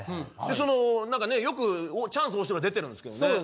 でそのなんかねよくチャンス大城が出てるんですけどね。